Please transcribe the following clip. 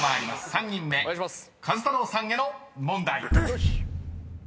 ３人目壱太郎さんへの問題］よしっ。